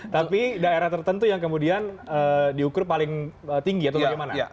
tapi daerah tertentu yang kemudian diukur paling tinggi atau bagaimana